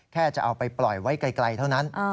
แค่จะเอาไปปล่อยไว้ไกลเท่านั้น